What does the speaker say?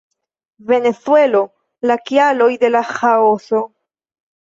Venezuelo, la kialoj de la ĥaoso.